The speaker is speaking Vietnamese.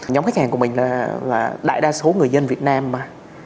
nhóm khách hàng của mình là đại đa số người dân việt nam mà